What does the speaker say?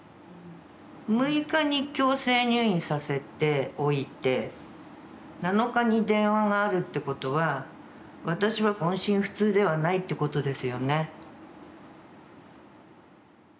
６日に強制入院させておいて７日に電話があるってことは私は音信不通ではないってことですよね。